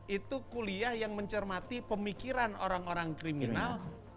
itu kuliah yang mencermati pemikiran orang orang kriminal